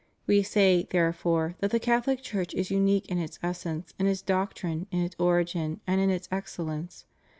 ... We say, therefore, that the Cathohc Church is unique in its essence, in its doctrine, in its origin, and in its excellence.